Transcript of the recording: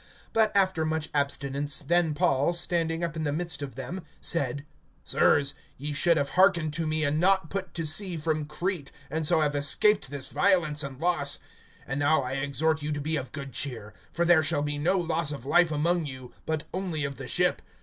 (21)But after much abstinence, then Paul, standing up in the midst of then, said: Sirs, ye should have hearkened to me and not put to sea from Crete, and so have escaped this violence and loss. (22)And now I exhort you to be of good cheer; for there shall be no loss of life among you, but only of the ship.